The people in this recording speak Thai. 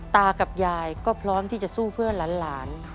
ตากับยายก็พร้อมที่จะสู้เพื่อหลาน